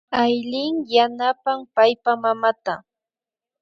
Aylin yanapan paypa mamata